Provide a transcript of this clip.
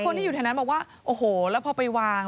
ที่อยู่แถวนั้นบอกว่าโอ้โหแล้วพอไปวาง